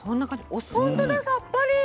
ほんとださっぱり！